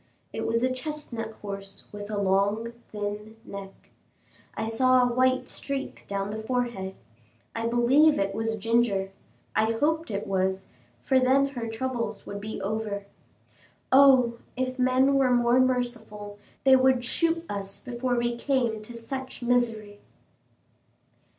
It was a chestnut horse with a long, thin neck. I saw a white streak down the forehead. I believe it was Ginger; I hoped it was, for then her troubles would be over. Oh! if men were more merciful, they would shoot us before we came to such misery.